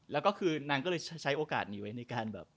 แล้วก็คือนางก็เลยใช้โอกาสนี้ไว้ในการแบบ